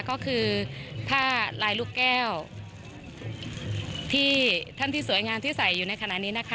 ก็คือผ้าลายลูกแก้วที่ท่านที่สวยงามที่ใส่อยู่ในขณะนี้นะคะ